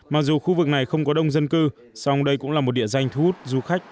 mặc dù khu vực này không có đông dân cư song đây cũng là một địa danh thu hút du khách